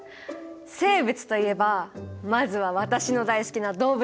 生物といえばまずは私の大好きな動物！